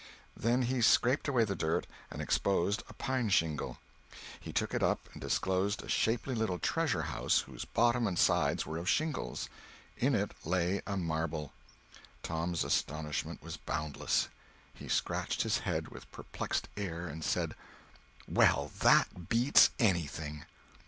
Then he scraped away the dirt, and exposed a pine shingle. He took it up and disclosed a shapely little treasure house whose bottom and sides were of shingles. In it lay a marble. Tom's astonishment was bound less! He scratched his head with a perplexed air, and said: "Well, that beats anything!"